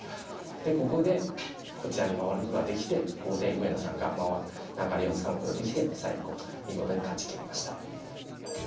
ここでこちらに回ることができてここで上野さんが流れをつかむことができて最後見事に勝ちきりました。